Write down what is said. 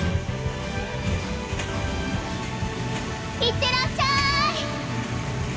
いってらっしゃい！